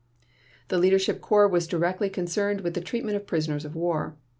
The Leadership Corps was directly concerned with the treatment of prisoners of war.